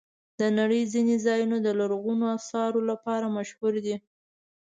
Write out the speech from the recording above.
د نړۍ ځینې ځایونه د لرغونو آثارو لپاره مشهور دي.